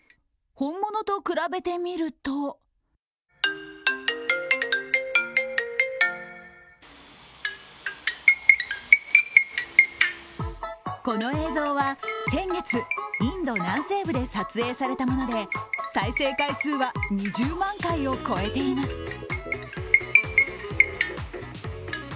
本物と比べてみるとこの映像は先月、インド南西部で撮影されたもので再生回数は２０万回を超えています。